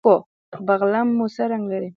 بلغم مو څه رنګ لري؟